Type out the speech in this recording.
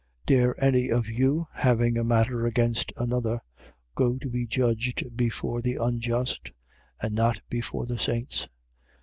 6:1. Dare any of you, having a matter against another, go to be judged before the unjust: and not before the saints?